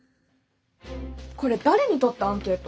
これ誰にとったアンケート？